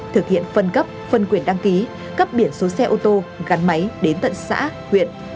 thực hiện phân cấp phân quyền đăng ký cấp biển số xe ô tô gắn máy đến tận xã huyện